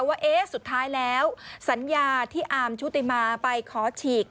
ว่าเอ๊ะสุดท้ายแล้วสัญญาที่อาร์มชุติมาไปขอฉีก